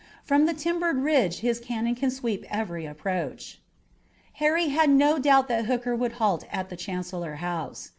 From the timbered ridge his cannon can sweep every approach." Harry had no doubt that Hooker would halt at the Chancellor House.